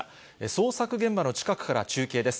捜索現場の近くから中継です。